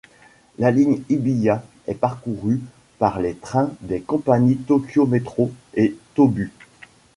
La ligne Hibiya est parcourue par les trains des compagnies Tokyo Metro et Tōbu.